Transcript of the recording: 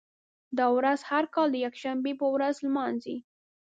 دا ورځ هر کال د یکشنبې په ورځ لمانځي.